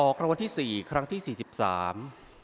รางวัลที่สี่ครั้งที่สี่สิบสาม